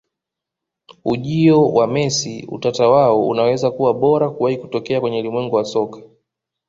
Ujio wa Messi Utata wao unaweza kuwa bora kuwahi kutokea kwenye ulimwengu wa soka